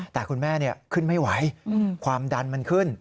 แต่คุณแม่ขึ้นไม่ไหวความดันมันขึ้น